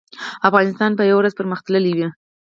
افغانستان به یو ورځ پرمختللی وي